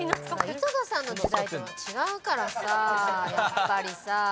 井戸田さんの時代とは違うからさやっぱりさ。